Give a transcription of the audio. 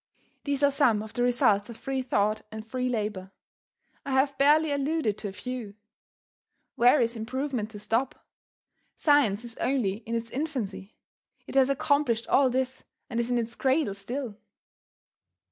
These are some of the results of free thought and free labor. I have barely alluded to a few where is improvement to stop? Science is only in its infancy. It has accomplished all this and is in its cradle still.